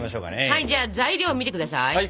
はいじゃあ材料を見て下さい！